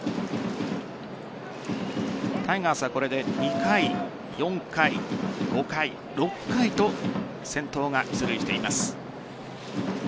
タイガースはこれで２回、４回５回、６回と先頭が出塁しています。